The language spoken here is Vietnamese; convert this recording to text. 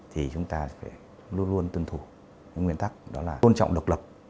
thì chúng ta luôn luôn tuân thủ những nguyên tắc đó là tôn trọng độc lập